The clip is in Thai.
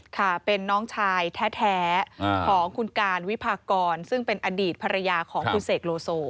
ค่ะเป็นน้องชายแท้ของคุณการวิพากรซึ่งเป็นอดีตภรรยาของคุณเสกโลโซ